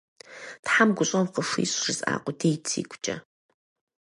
«Тхьэм гущӀэгъу къыхуищӀ» жысӀа къудейт сигукӀэ.